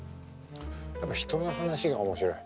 やっぱ人の話が面白い。